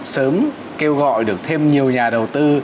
sớm kêu gọi được thêm nhiều nhà đầu tư